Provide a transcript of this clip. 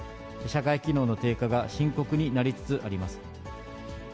社会機能の低下が深刻になりつつあります。